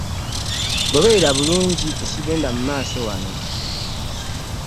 Ngoberera buli ekigenda mu maaso wano.